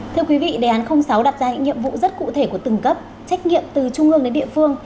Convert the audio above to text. thưa quý vị đề án sáu đặt ra những nhiệm vụ rất cụ thể của từng cấp trách nhiệm từ trung ương đến địa phương